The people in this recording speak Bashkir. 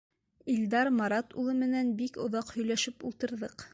Илдар Марат улы менән бик оҙаҡ һөйләшеп ултырҙыҡ.